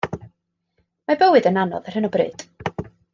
Mae bywyd yn anodd ar hyn o bryd.